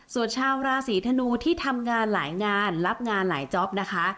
ส่วนชาวราศีธนูที่ทำงานหลายงานรับงานหลายจ๊อปนะคะ